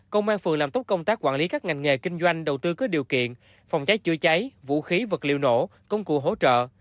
công an phường làm tốt công tác quản lý các ngành nghề kinh doanh đầu tư có điều kiện phòng cháy chữa cháy vũ khí vật liệu nổ công cụ hỗ trợ